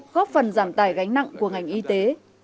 góp phần giảm tài gánh nặng của ngành y tế